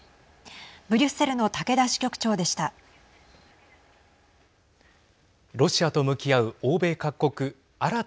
ブリュッセルの竹田支局長でした。